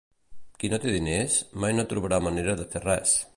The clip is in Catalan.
Qui no té diners, mai no trobarà manera de fer res.